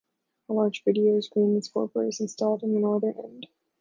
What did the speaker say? A large video screen and scoreboard is installed in the northern end.